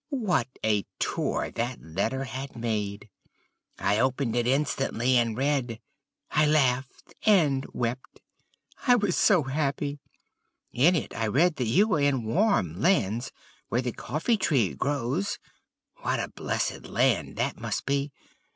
What a tour that letter had made! I opened it instantly and read: I laughed and wept. I was so happy. In it I read that you were in warm lands where the coffee tree grows. What a blessed land that must be!